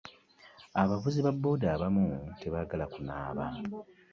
Abavuzi ba boda abamu tebagala kunaaba.